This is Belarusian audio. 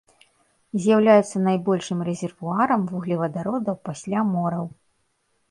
З'яўляецца найбольшым рэзервуарам вуглевадародаў пасля мораў.